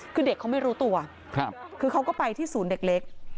คือเด็กเขาไม่รู้ตัวคือเขาก็ไปที่ศูนย์เด็กเล็ก